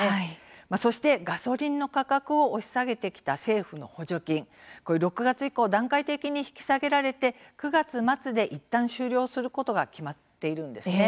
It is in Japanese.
そしてガソリンの価格を押し下げてきた政府の補助金６月以降、段階的に引き下げられて９月末でいったん終了することが決まっています。